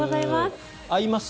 会います？